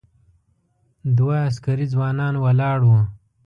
دوه عسکري ځوانان ولاړ و.